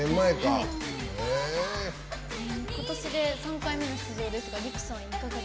今年で３回目の出場ですが。